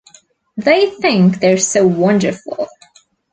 They think they’re so wonderful.